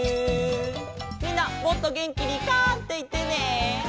みんなもっとげんきに「カァ」っていってね。